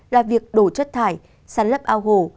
là việc đổ chất thải sản lấp ao hồ